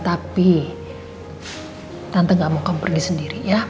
tapi tante gak mau kaum pergi sendiri ya